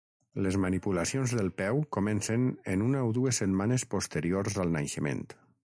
Les manipulacions del peu comencen en una o dues setmanes posteriors al naixement.